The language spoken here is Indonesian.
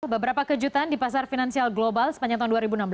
beberapa kejutan di pasar finansial global sepanjang tahun dua ribu enam belas